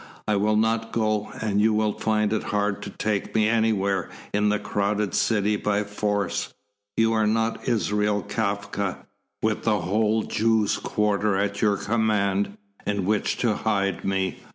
I will not go, and you will find it hard to take me anywhere in the crowded city by force. You are not Israel Kafka, with the whole Jews' quarter at your command in which to hide me."